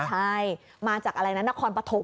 ใช่มาจากอะไรนะนครปฐม